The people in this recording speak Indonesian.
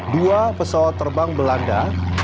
dua pesawat terbang belanda